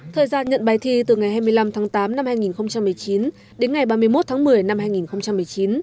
thời gian nhận bài thi từ ngày hai mươi năm tháng tám năm hai nghìn một mươi chín đến ngày ba mươi một tháng một mươi năm hai nghìn một mươi chín